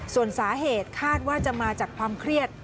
ส่วนสาเหตุคาดว่าจะมาจากความเครียด